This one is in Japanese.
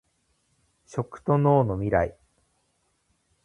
食と農のミライ